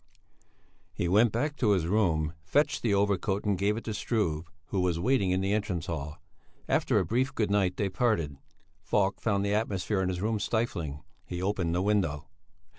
He went back to his room, fetched the overcoat and gave it to Struve, who was waiting in the entrance hall. After a brief good night they parted. Falk found the atmosphere in his room stifling; he opened the window.